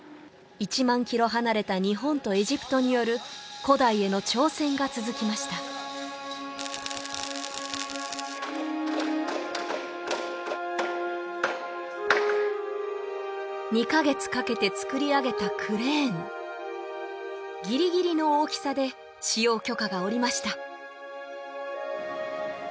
１万ｋｍ離れた日本とエジプトによる古代への挑戦が続きました２カ月かけて造り上げたクレーンギリギリの大きさで使用許可が下りました